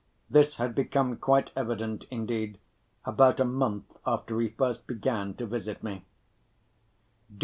This had become quite evident, indeed, about a month after he first began to visit me.